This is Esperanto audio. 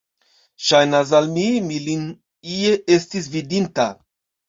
Ŝajnas al mi, mi lin ie estis vidinta!